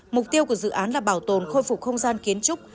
mục tiêu của dự án là bảo tồn khôi phục không gian kiến trúc